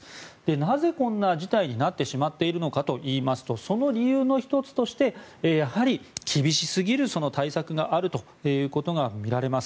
なぜこんな事態になってしまっているのかといいますとその理由の１つとしてやはり、厳しすぎる対策があるということが見られます。